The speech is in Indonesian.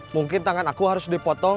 mungkin tangan aku harus dipotong